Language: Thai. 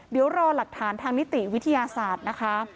เดี๋ยวรอหลักฐานทางนิติวิทยาศาสตร์นะคะ